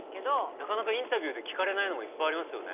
なかなかインタビューで聞かれないのもいっぱいありますよね。